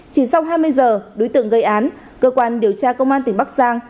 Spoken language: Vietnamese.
chỉ sau hai mươi giờ đối tượng gây án cơ quan điều tra công an tỉnh bắc giang